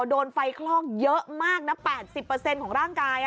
โดนไฟคลอกเยอะมากนะ๘๐ของร่างกาย